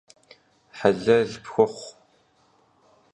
Helel pxuxhu!